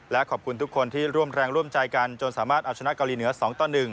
และขอบคุณทุกคนที่ร่วมแรงร่วมใจกันจนสามารถเอาชนะเกาหลีเหนือ๒ต่อ๑